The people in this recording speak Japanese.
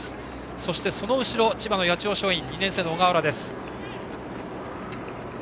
そしてその後ろ千葉の八千代松陰２年生の小河原です。